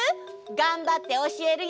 がんばっておしえるよ！